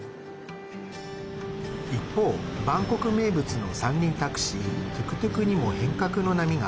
一方バンコク名物の三輪タクシートゥクトゥクにも変革の波が。